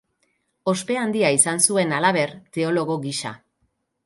Ospe handia izan zuen, halaber, teologo gisa.